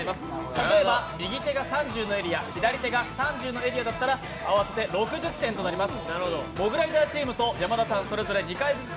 例えば右手が３０のエリア、左手が３０のエリアだったら合わせて６０点となります。